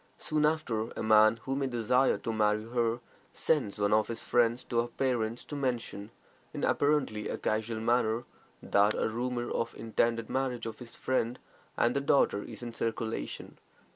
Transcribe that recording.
Soon after, a man who may desire to marry her sends one of his friends to her parents to mention, in apparently a casual manner, that a rumor of the intended marriage of his friend and their daughter is in circulation.